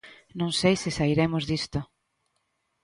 Non sei se sairemos disto.